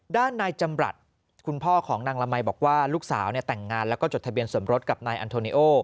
ด้านนายจำรัฐคุณพ่อของนางละมัยบอกว่าลูกสาวแต่งงานแล้วก็จดทะเบียนสมรสกับนายอันโทนิโอ